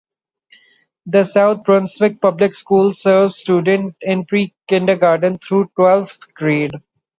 The South Brunswick Public Schools serves students in pre-kindergarten through twelfth grade.